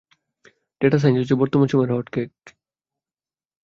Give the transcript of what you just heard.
Data science হচ্ছে বর্তমান সময়ের হট কেক!